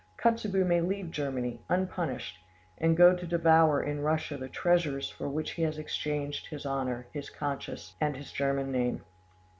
Kotzebue may leave Germany, unpunished, and go to devour in Russia the treasures for which he has exchanged his honour, his conscience, and his German name.